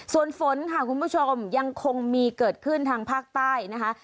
ส่วนฝนค่ะคุณผู้ชมยังคงมีเกิดขึ้นทางภาคใต้นะคะ